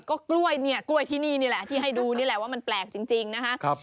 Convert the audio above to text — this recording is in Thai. กร้วยที่นี่ล่ะที่ให้ดูนี่แหละว่ามันแปลกจริงนะครับ